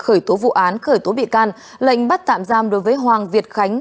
khởi tố vụ án khởi tố bị can lệnh bắt tạm giam đối với hoàng việt khánh